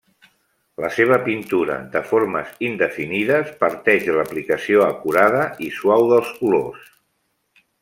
La seva pintura, de formes indefinides, parteix de l'aplicació acurada i suau dels colors.